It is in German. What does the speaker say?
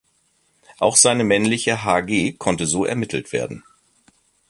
Auch seine männliche Hg konnte so ermittelt werden.